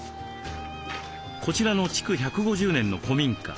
こちらの築１５０年の古民家。